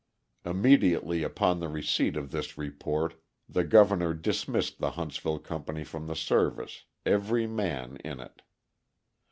Immediately, upon the receipt of this report, the Governor dismissed the Huntsville company from the service, every man in it.